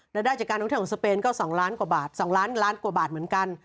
รายได้จากการท่องเที่ยวของสเปนก็๒ล้านกว่าบาท๒ล้านล้านกว่าบาทเหมือนกัน